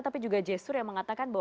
tapi juga gestur yang mengatakan bahwa